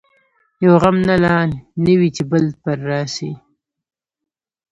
یو غم نه لا نه وي چي بل پر راسي